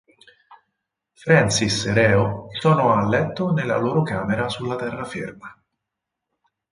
Francis e Reo sono a letto nella loro camera sulla terraferma.